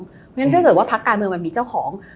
เพราะฉะนั้นถ้าเกิดว่าพักการเมืองมันมีเจ้าของ